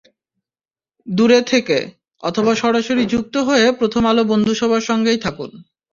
দূরে থেকে, অথবা সরাসরি যুক্ত হয়ে প্রথম আলো বন্ধুসভার সঙ্গেই থাকুন।